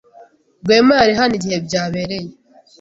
Rwema yari hano igihe byabereye?